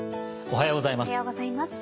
おはようございます。